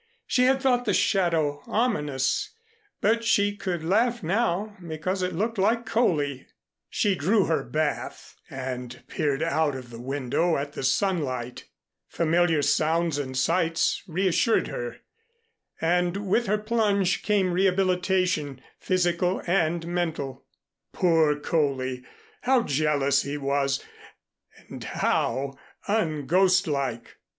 She had thought the shadow ominous, but she could laugh now because it looked like Coley! She drew her bath and peered out of the window at the sunlight. Familiar sounds and sights reassured her, and with her plunge came rehabilitation, physical and mental. Poor Coley! How jealous he was, and how unghostlike!